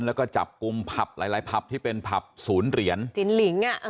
แล้วก็จับกลุ่มผับหลายหลายผับที่เป็นผับศูนย์เหรียญจินหลิงอ่ะ